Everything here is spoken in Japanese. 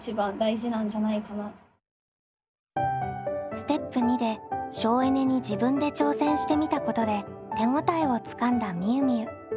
ステップ②で省エネに自分で挑戦してみたことで手応えをつかんだみゆみゆ。